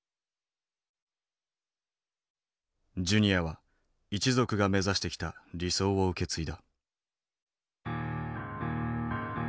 ジュニアは一族が目指してきた理想を受け継いだ。